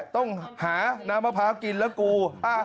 ต้องหาน้ำมะพร้าวกินแล้วกู